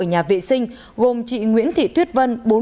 ở nhà vệ sinh gồm chị nguyễn thị tuyết vân